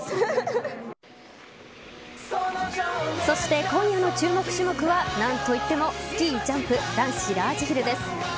そして今夜の注目種目は何と言ってもスキージャンプ男子ラージヒルです。